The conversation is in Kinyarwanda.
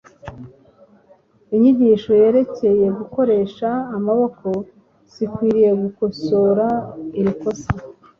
Inyigisho yerekeye gukoresha amaboko zikwiriye gukosora iri kosa.